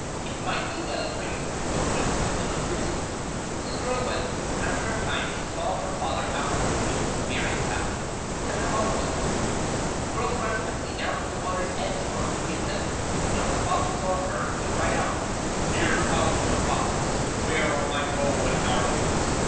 It might be well for you to go and pay them a visit.' So the girl went, and after a time she saw her father out in a canoe spearing salmon, and her mother was with him. The girl ran quickly down to the water's edge in order to meet them, but when her father saw her he cried out: 'Here comes a fox; where are my bow and arrows?'